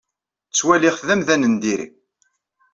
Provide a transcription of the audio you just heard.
Ttwaliɣ-t d amdan n diri.